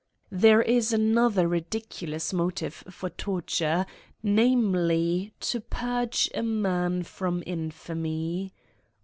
There is another ridiculous motive for torture, namely, to purge a man from infamy.